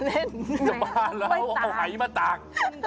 ล้อเล่นแล้วเอาหายมาตาก